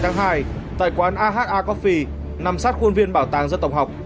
trưa ngày hai mươi hai tháng hai tại quán aha coffee nằm sát khuôn viên bảo tàng dân tộc học